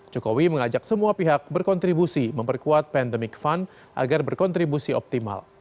jokowi mengajak semua pihak berkontribusi memperkuat pandemic fund agar berkontribusi optimal